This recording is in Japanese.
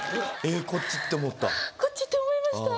こっちって思った？